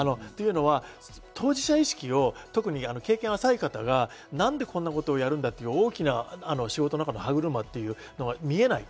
当事者意識を特に経験浅い方が何でこんなことをやるんだという、大きな仕事の歯車が見えない。